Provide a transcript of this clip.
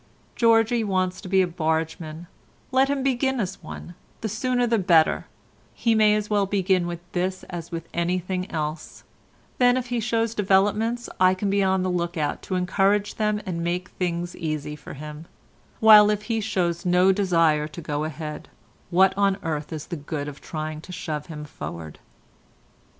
Georgie wants to be a bargeman, let him begin as one, the sooner the better; he may as well begin with this as with anything else; then if he shows developments I can be on the look out to encourage them and make things easy for him; while if he shows no desire to go ahead, what on earth is the good of trying to shove him forward?"